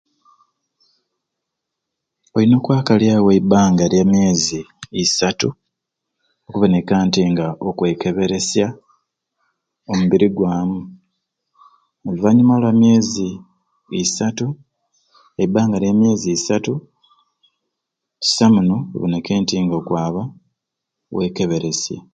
Oyina okwakalyawo eibanga lyamyeezi isaatu okuboneka nti nga okwekeberesya ombiri gwamu oluvanyuma lwamyeezi isaatu eibanga lyamyeezi isaatu kisai muno oboneke nti nga okwaba wekeberesye.